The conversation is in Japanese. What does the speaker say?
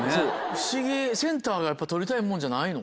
不思議センターは取りたいもんじゃないの？